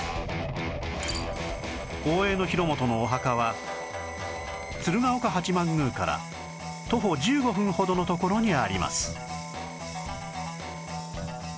大江広元のお墓は鶴岡八幡宮から徒歩１５分ほどの所にあります